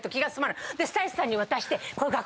でスタイリストさんに渡して。